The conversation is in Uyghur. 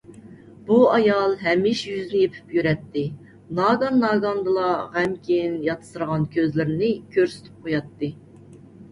بۇ ئايال ھەمىشە يۈزىنى يېپىپ يۈرەتتى. ناگان - ناگاندىلا غەمكىن ياتسىرىغان كۆزلىرىنى كۆرسىتىپ قوياتتى.